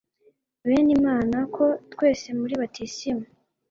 bene imana ko twese muri batisimu